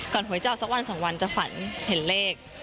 ก่อนโหยเจ้าสักวันสักวันจะฝันเห็นเลข